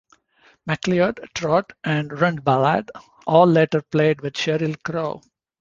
McLeod, Trott and Rundblad all later played with Sheryl Crow.